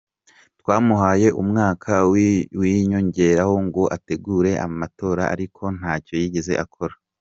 Twamuhaye umwaka wiyongeraho ngo ategure amatora ariko nta cyo yigeze akora.